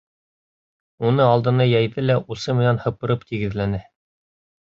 Уны алдына йәйҙе лә усы менән һыпырып тигеҙләне.